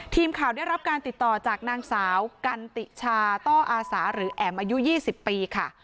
ทีมข่าวได้รับการติดต่อจากนางสาวกันติชาต้ออาสาหรือแอ๋มอายุ๒๐ปีค่ะ